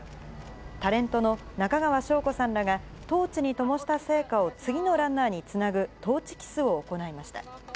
タレントの中川翔子さんらが、トーチにともした聖火を次のランナーにつなぐトーチキスを行いました。